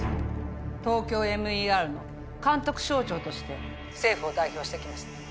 ＴＯＫＹＯＭＥＲの監督省庁として政府を代表して来ました